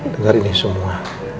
denger ini semua